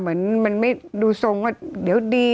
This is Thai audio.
เหมือนมันดูทรงดี